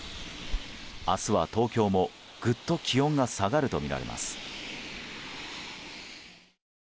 明日は東京も、ぐっと気温が下がるとみられます。